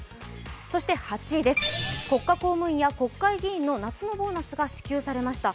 そして８位、国家公務員や国会議員の夏のボーナスが支給されました。